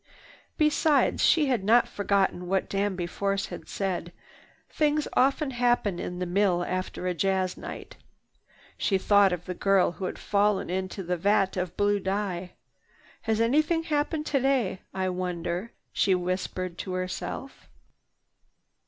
Besides, she had not forgotten what Danby Force had said: "Things often happen in the mill after a jazz night." She thought of the girl who had fallen into a vat of blue dye. "Has anything happened today, I wonder?" she whispered to herself.